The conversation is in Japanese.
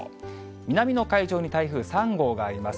南の海上に台風３号があります。